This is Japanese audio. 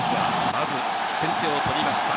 まず先手を取りました。